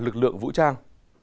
trưởng vũ trang